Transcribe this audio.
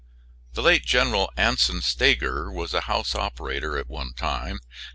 The late General Anson Stager was a House operator at one time.